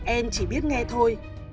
em chỉ biết nghe thôi